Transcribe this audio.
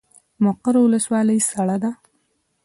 مقر ولسوالۍ سړه ده؟